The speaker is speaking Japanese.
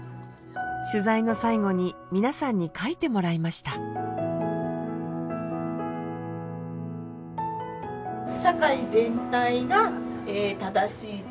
取材の最後に皆さんに書いてもらいました「閉経オメデトー